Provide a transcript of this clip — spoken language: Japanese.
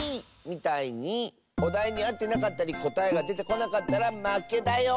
みたいにおだいにあってなかったりこたえがでてこなかったらまけだよ。